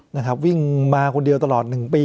นะครับวิ่งมาคนเดียวตลอด๑ปี